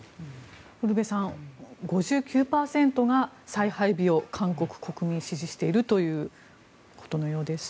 ウルヴェさん５９％が再配備を韓国国民、支持しているということのようです。